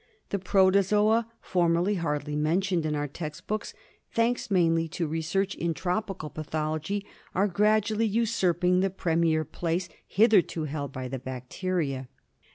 The protozoa, formerly hardly mentioned in our text books, thanks mainly to research in tropical pathology, are gradually usurping the premier place hitherto held by the bacteria.